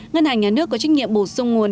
ngân hàng nhà nước có trách nhiệm bổ sung nguồn